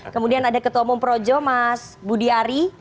kemudian ada ketua umum projo mas budiari